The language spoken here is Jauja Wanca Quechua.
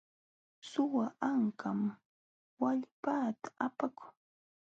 Suwa ankam wallpaata apakun.